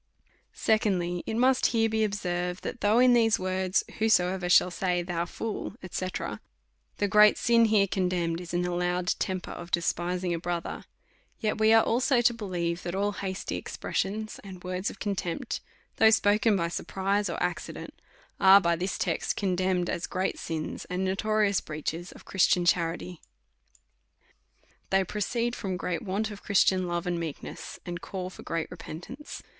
Secondly, It must here be observed, that though in these words. Whosoever shall say. Thou fool, &c., the gTeat sin there contemned is an allowed temper of de spising a brother ; yet we are also to believe, that all hasty expressions, and words of contempt, though spoken by surprise or accident, are by this text con demned as great sins, and notorious breaches of Christian charity. They proceed from g reat want of Christian love and meekness, and call for great repentance.